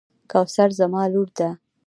کوثر زما لور ده.